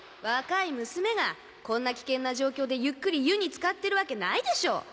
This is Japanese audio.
若い娘がこんな危険な状況でゆっくり湯につかってるわけないでしょ